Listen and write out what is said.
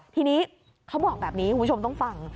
ทีนี้เขาบอกแบบนี้คุณผู้ชมต้องฟัง